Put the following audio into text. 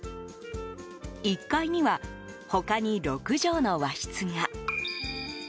１階には、他に６畳の和室が。